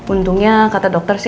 untungnya kata dokter sih